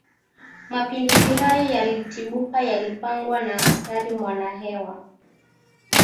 Mapinduzi hayo yaliyotibuka yalipangwa na askari mwanahewa